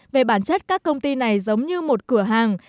về bản chất các công ty này giống như một cửa hàng